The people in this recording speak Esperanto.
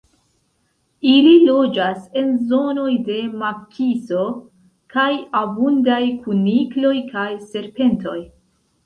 Ili loĝas en zonoj de makiso kaj abundaj kunikloj kaj serpentoj.